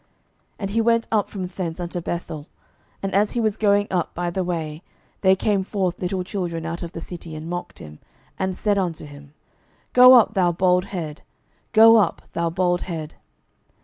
12:002:023 And he went up from thence unto Bethel: and as he was going up by the way, there came forth little children out of the city, and mocked him, and said unto him, Go up, thou bald head; go up, thou bald head.